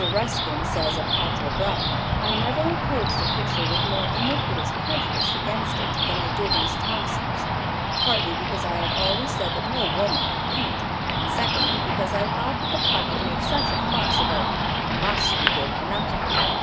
Ruskin says of "Quatre Bras": "I never approached a picture with more iniquitous prejudice against it than I did Miss Thompson's; partly because I have always said that no woman could paint, and secondly, because I thought what the public made such a fuss about must be good for nothing.